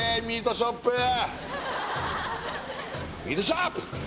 ミートショップ！